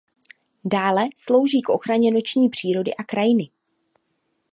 Dále slouží k ochraně noční přírody a krajiny.